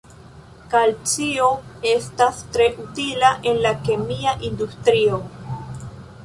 Kalcio estas tre utila en la kemia industrio.